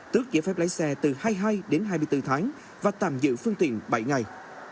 tước giải phép lái xe từ hai mươi hai đến hai mươi bốn tháng và tạm giữ phương tiện bảy ngày